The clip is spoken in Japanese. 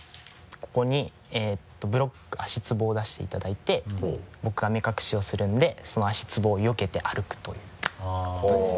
ここにブロック足つぼを出していただいて僕が目隠しをするのでその足つぼをよけて歩くということですね。